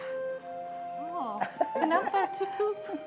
oh kenapa tutup